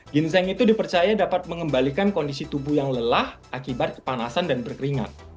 ginseng itu dipercaya dapat mengembalikan kondisi tubuh yang lelah akibat kepanasan dan berkeringat